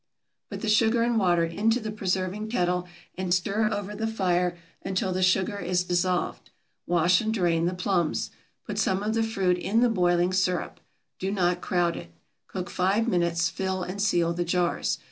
Put the sugar and water into the preserving kettle and stir over the fire until the sugar is dissolved. Wash and drain the plums. Put some of the fruit in the boiling sirup. Do not crowd it. Cook five minutes; fill and seal the jars.